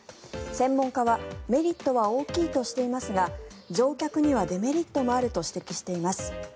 専門家はメリットは大きいとしていますが乗客にはデメリットもあると指摘しています。